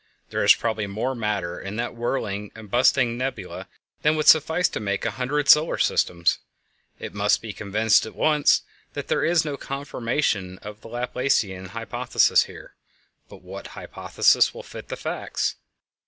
There is probably more matter in that whirling and bursting nebula than would suffice to make a hundred solar systems! It must be confessed at once that there is no confirmation of the Laplacean hypothesis here; but what hypothesis will fit the facts?